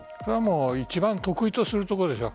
一番得意とするところでしょう。